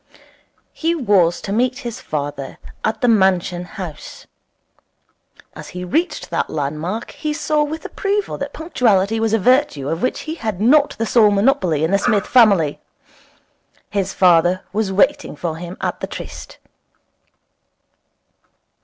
He was to meet his father at the Mansion House. As he reached that land mark he saw with approval that punctuality was a virtue of which he had not the sole monopoly in the Smith family. His father was waiting for him at the tryst.